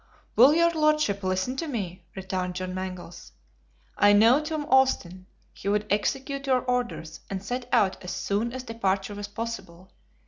"Will your Lordship listen to me?" returned John Mangles. "I know Tom Austin. He would execute your orders, and set out as soon as departure was possible.